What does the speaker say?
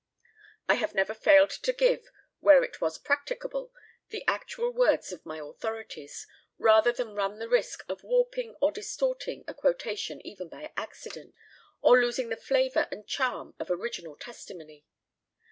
I have never failed to give, where it was practicable, the actual words of my authorities, rather than run the risk of warping or distorting a quotation even by accident, or losing the flavour and charm of original testimony.